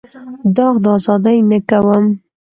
داغ د ازادۍ نه کوم.